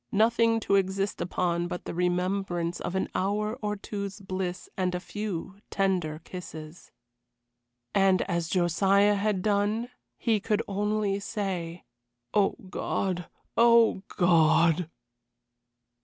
Nothing to exist upon but the remembrance of an hour or two's bliss and a few tender kisses. And as Josiah had done, he could only say: "Oh, God! Oh, God!"